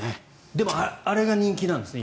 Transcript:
でも、今あれが人気なんですね。